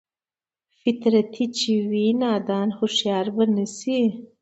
فطرتي چې وي نادان هوښيار به نشي